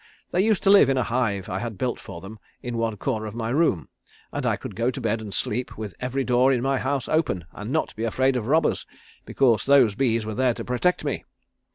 They used to live in a hive I had built for them in one corner of my room and I could go to bed and sleep with every door in my house open, and not be afraid of robbers, because those bees were there to protect me.